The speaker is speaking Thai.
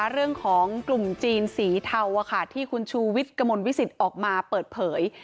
เรื่องของกลุ่มจีนสีเทาที่คุณชูวิทย์กระมวลวิสิตออกมาเปิดเผย